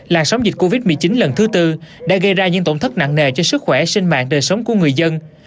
làn sóng dịch covid một mươi chín lần thứ tư đã gây ra những tổn thất nặng nề cho sức khỏe sinh mạng đời sống của người dân